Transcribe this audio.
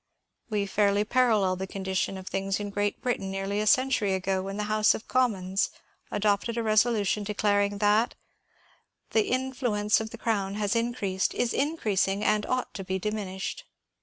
We fairly parallel the condition of things in Great Britain nearly 4 century ago when the House of Commons adopted a resolution declaring ^ that the influ ence of the Crown has increased, is increasing, and ought to be diminished.'